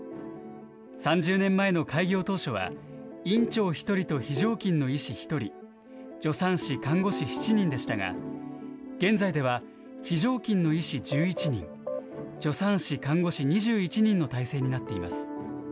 ３０年前の開業当初は、院長１人と非常勤の医師１人、助産師・看護師７人でしたが、現在では非常勤の医師１１人、助産師・看護師２１人の態勢になっています。